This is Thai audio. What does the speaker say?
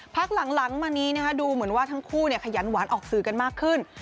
พักหลังมานี้ดูเหมือนว่าทั้งคู่ขยันหวานออกสื่อกันมากขึ้น